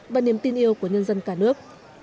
và niềm tin yêu của nhân dân cả nước